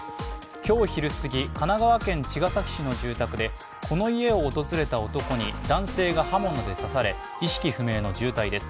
今日昼すぎ、神奈川県茅ヶ崎市の住宅でこの家を訪れた男に、男性が刃物で刺され、意識不明の重体です。